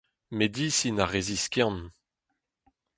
medisin ar re ziskiant